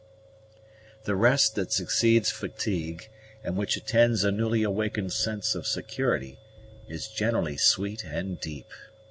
_ The rest that succeeds fatigue, and which attends a newly awakened sense of security, is generally sweet and deep.